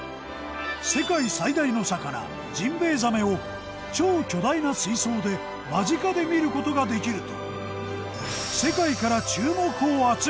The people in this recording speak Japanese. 世界最大の魚ジンベエザメを超巨大な水槽で間近で見る事ができると。